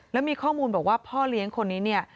แล้วมีข้อมูลบอกว่าพ่อเลี้ยงคนนี้เนี่ย